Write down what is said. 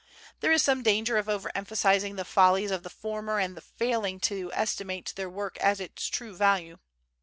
There is some danger of over emphasizing the follies of the former and of failing to estimate their work at its true value.